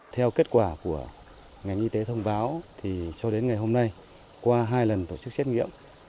theo kết quả của ngành y tế thông báo cho đến ngày hôm nay qua hai lần tổ chức xét nghiệm